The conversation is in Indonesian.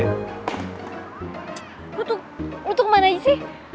lo tuh lo tuh kemana aja sih